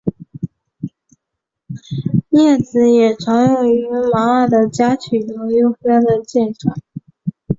镊子也常用于砝码的夹取和邮票的鉴赏。